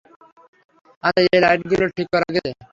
আচ্ছা, এই লাইটগুলো ঠিক করা গেছে?